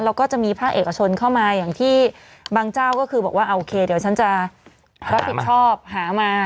แล้วก็จะมีภาคเอกชนเข้ามาอย่างที่บางเจ้าก็คือบอกว่าโอเคเดี๋ยวฉันจะรับผิดชอบหามา